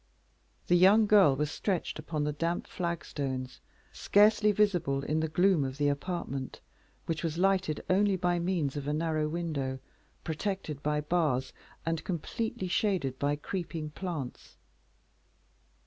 The young girl was stretched upon the damp flag stones, scarcely visible in the gloom of the apartment, which was lighted only by means of a narrow window, protected by bars and completely shaded by creeping plants.